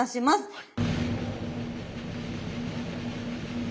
はい。